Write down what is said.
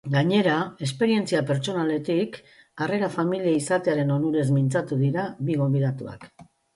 Gainera, esperientzia pertsonaletik, harrera familia izatearen onurez mintzatu dira bi gonbidatuak.